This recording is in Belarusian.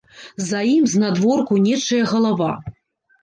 За ім, знадворку, нечая галава.